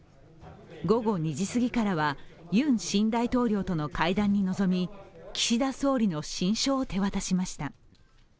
午後２時すぎからはユン新大統領との会談に臨み岸田総理の親書を手渡しました。